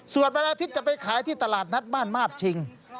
ส่วนวันอาทิตย์จะไปขายที่ตลาดนัดบ้านมาบชิง